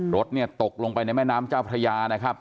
รถเนี่ยตกลงไปในแม่น้ำเจ้าพระยานะครับ